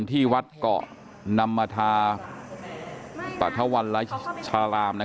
ที่วัดเกาะนำมาทาปรัฐวรรณชาราม